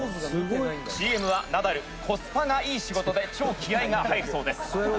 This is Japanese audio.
「ＣＭはナダル、コスパがいい仕事で超気合が入るそうです」